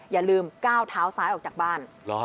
อย่าลืมก้าวเท้าซ้ายออกจากบ้าน